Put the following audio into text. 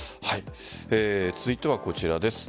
続いてはこちらです。